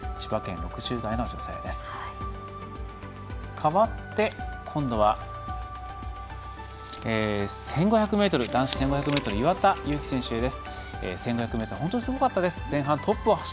かわって、今度は男子１５００ｍ岩田悠希選手へです。